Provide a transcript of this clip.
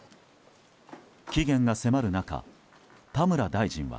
期限が迫る中、田村大臣は。